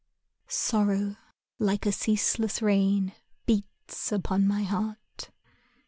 Sorrow Sorrow like a ceaseless rain Beats upon my heart.